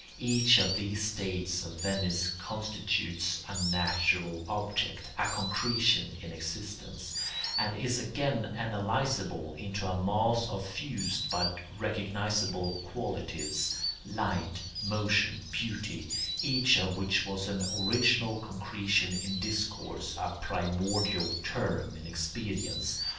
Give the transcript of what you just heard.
Each of these states of Venice constitutes a natural object, a concretion in existence, and is again analysable into a mass of fused but recognisable qualities—light, motion, beauty—each of which was an original concretion in discourse, a primordial term in experience.